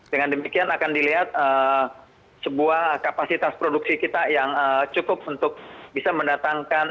dengan demikian akan dilihat sebuah kapasitas produksi kita yang cukup untuk bisa mendatangkan